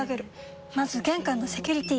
まず玄関のセキュリティ！